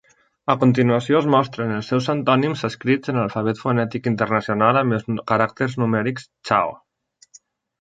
A continuació es mostren els seus antònims escrits en l'Alfabet Fonètic Internacional amb els caràcters numèrics Chao.